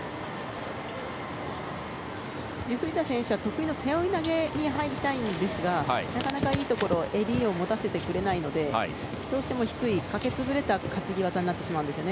ジュフリダ選手は得意の背負い投げに入りたいんですがなかなか、いいところ襟を持たせてくれないのでどうしても低い、かけ潰れた担ぎ技になってしまうんですよね。